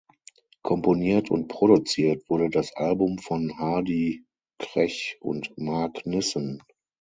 Komponiert und produziert wurde das Album von Hardy Krech und Mark Nissen.